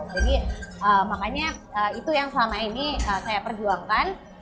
jadi makanya itu yang selama ini saya perjuangkan